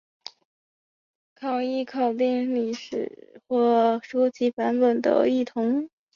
考异考订史实或书籍版本的异同。